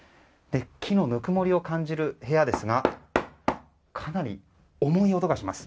木のぬくもりを感じる部屋ですがかなり重い音がします。